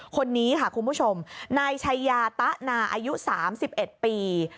คนนี้ค่ะคุณผู้ชมนายชัยยาตะนาอายุ๓๑ปี